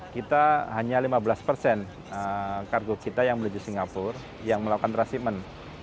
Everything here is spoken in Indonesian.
kita hanya lima belas persen kargo kita yang menuju singapura yang melakukan transhipment